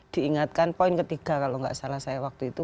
diingatkan poin ketiga kalau nggak salah saya waktu itu